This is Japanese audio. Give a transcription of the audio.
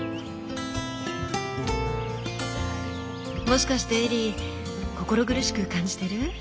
もしかしてエリー心苦しく感じてる？